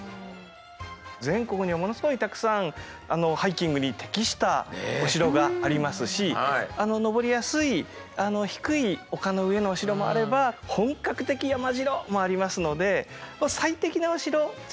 全国にはものすごいたくさんハイキングに適したお城がありますし登りやすい低い丘の上のお城もあれば「本格的山城！」もありますので最適なお城を是非訪ねて頂けたらなっていうふうに改めて思いました。